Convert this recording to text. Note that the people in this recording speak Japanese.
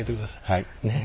はい。